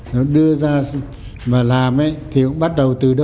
nó đưa ra mà làm ấy thì cũng bắt đầu từ đâu